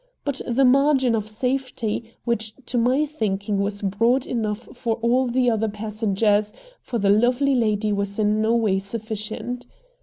But the margin of safety, which to my thinking was broad enough for all the other passengers, for the lovely lady was in no way sufficient.